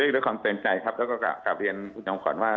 ด้วยความเตือนใจครับแล้วก็กลับเรียนคุณจอมขวัญว่า